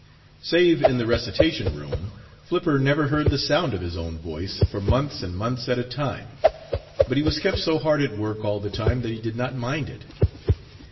Save in the recitation room Flipper never heard the sound of his own voice for months and months at a time; but he was kept so hard at work all the time that he did not mind it.